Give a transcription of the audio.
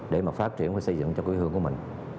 để mà phát triển và xây dựng cho quê hương của mình